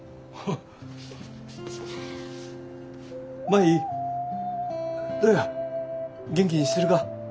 舞どや元気にしてるか？